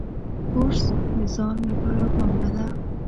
کورس د ځان لپاره پانګه ده.